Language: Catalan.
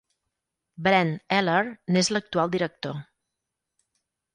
Brent Eller n'és l'actual director.